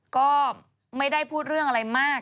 ก็ไม่ได้พูดเรื่องอะไรมาก